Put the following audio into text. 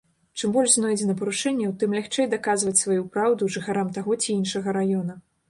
Чым больш знойдзена парушэнняў, тым лягчэй даказваць сваю праўду жыхарам таго ці іншага раёна.